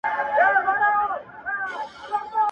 ته په زولنو کي د زندان حماسه ولیکه!!